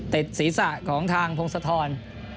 ติดศีรษะของทางพงศทร